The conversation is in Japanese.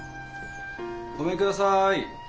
・ごめんください。